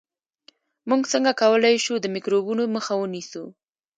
موږ څنګه کولای شو د میکروبونو مخه ونیسو